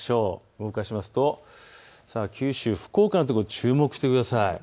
動かしますと九州・福岡のところに注目してください。